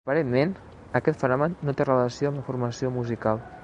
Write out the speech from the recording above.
Aparentment, aquest fenomen no té relació amb la formació musical.